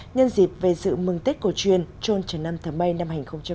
nhân dịp về sự mừng tết cổ truyền trôn trần năm tháng may năm hai nghìn một mươi chín